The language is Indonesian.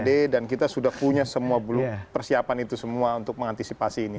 sd dan kita sudah punya semua persiapan itu semua untuk mengantisipasi ini